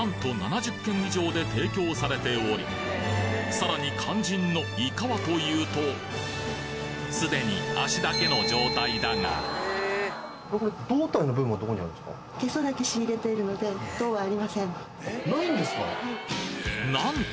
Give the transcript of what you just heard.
さらに肝心のイカはというとすでに足だけの状態だがなんと！